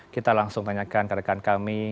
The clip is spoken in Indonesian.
kita langsung tanyakan ke rekan kami